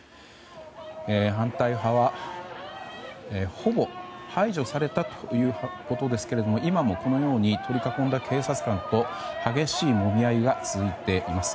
反対派は、ほぼ排除されたということですけれども今もこのように取り囲んだ警察官と激しいもみ合いが続いています。